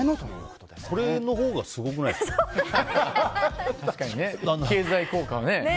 これのほうがすごくないですか。